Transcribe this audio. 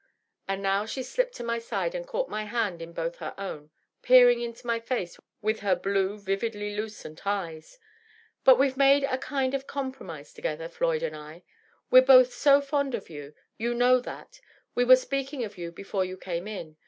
And now she slipped to my side and caught my hand in both her own, peering into my &ce with her blue, vividly lucent eyes. " But we've made a kind of com promise tc^ther, Floyd and I. We're both so fond of you — ^you hnow that. We were speaking of you before you came in.